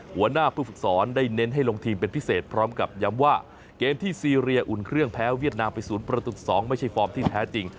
หัวหน้าผู้ฝึกสอนได้เน้นให้ลงทีมเป็นพิเศษพร้อมกับย้ำว่าเกมที่ซีเรียอุ่นเครื่องแพ้เวียดนามไป๐ประตู๒ไม่ใช่ฟอร์มที่แท้จริง